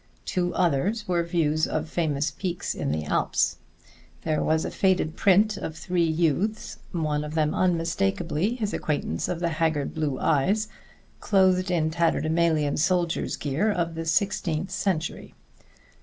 Two others were views of famous peaks in the Alps. There was a faded print of three youths one of them unmistakably his acquaintance of the haggard blue eyes clothed in tatterdemalion soldier's gear of the sixteenth century.